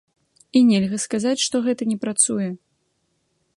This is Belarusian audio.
І нельга сказаць, што гэта не працуе.